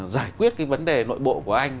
giải quyết cái vấn đề nội bộ của anh